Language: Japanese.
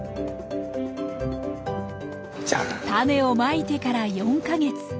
タネをまいてから４か月。